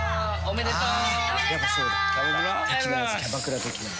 おめでとう！